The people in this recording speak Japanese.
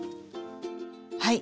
はい。